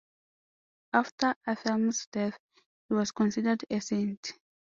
After Athelm's death, he was considered a saint.